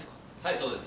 そうです。